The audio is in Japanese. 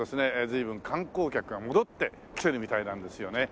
随分観光客が戻ってきてるみたいなんですよね。